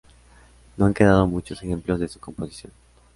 No han quedado muchos ejemplos de su composición.